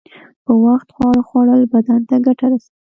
په وخت خواړه خوړل بدن ته گټه رسوي.